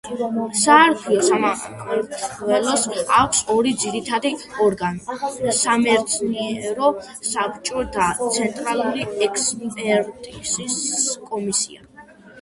საარქივო სამმართველოს აქვს ორი ძირითადი ორგანო: სამეცნიერო საბჭო და ცენტრალური ექსპერტიზის კომისია.